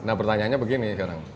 nah pertanyaannya begini sekarang